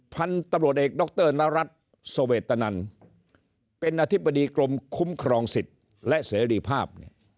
พันธุ์ตำรวจเอกดรนรัฐสเวตนันเป็นอธิบดีกรมคุ้มครองสิทธิ์และเสรีภาพ